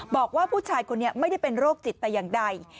บอกว่าผู้ชายคนนี้ไม่ได้เป็นโรคจิตแต่อย่างใด